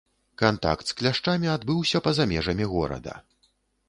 Кантакт з кляшчамі адбыўся па-за межамі горада.